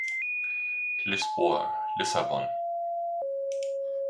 Lisboa (Lissabon).